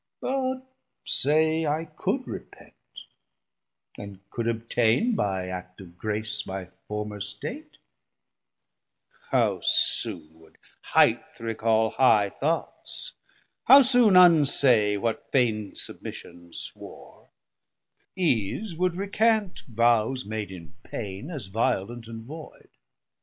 But say I could repent and could obtaine By Act of Grace my former state; how soon Would highth recal high thoughts, how soon unsay What feign'd submission swore: ease would recant Vows made in pain, as violent and void.